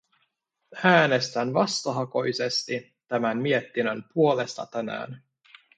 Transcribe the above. Äänestän vastahakoisesti tämän mietinnön puolesta tänään.